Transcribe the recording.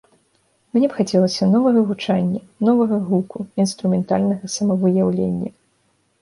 Мне б хацелася новага гучання, новага гуку, інструментальнага самавыяўлення.